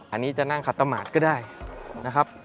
อันนี้จะนั่งขัดประมาทก็ได้นะครับ